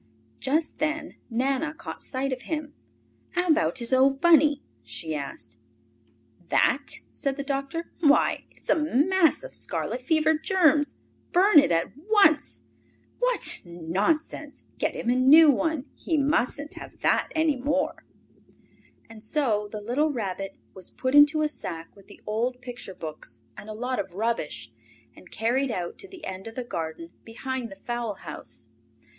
Just then Nana caught sight of him. "How about his old Bunny?" she asked. "That?" said the doctor. "Why, it's a mass of scarlet fever germs! Burn it at once. What? Nonsense! Get him a new one. He mustn't have that any more!" Anxious Times And so the little Rabbit was put into a sack with the old picture books and a lot of rubbish, and carried out to the end of the garden behind the fowl house.